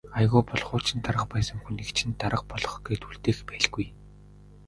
Аягүй бол хуучин дарга байсан хүнийг чинь дарга болгох гээд үлдээх байлгүй.